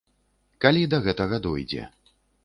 Калі да гэтага дойдзе.